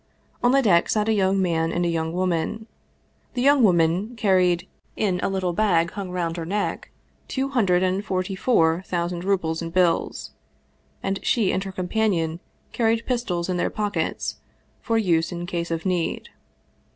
On the deck sat a young man and a young woman. The young woman carried, in a little bag hung round her neck, two hundred and forty four thousand rubles in bills, and she and her companion carried pistols in their pockets for use in case of need.